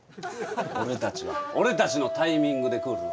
俺たちは俺たちのタイミングで来るの。